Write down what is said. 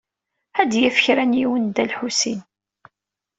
Ad d-yaf kra n yiwen Dda Lḥusin.